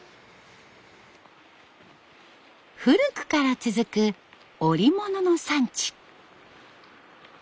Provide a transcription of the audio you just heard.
古くから続く織物の産地。